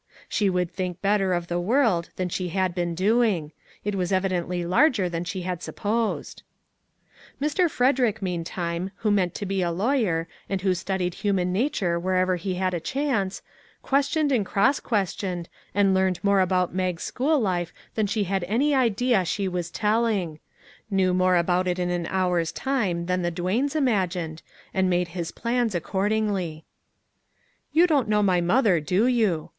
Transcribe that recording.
She would think better of the world than she had been doing ; it was evi dently larger than she had supposed. 349 MAG AND MARGARET Mr. Frederick, meantime, who meant to be a lawyer, and who studied human nature wherever he had a chance, questioned and cross questioned, and learned more about Mag's school life than she had any idea she was telling; knew more about it in an hour's time than the Duanes imagined, and made his plans accordingly. " You don't know my mother, do you